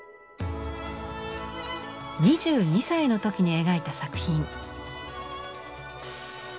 ２２歳の時に描いた作品。